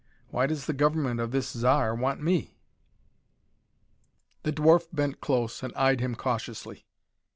Why does the government of this Zar want me?" The dwarf bent close and eyed him cautiously.